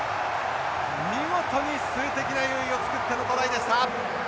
見事に数的な優位を作ってのトライでした。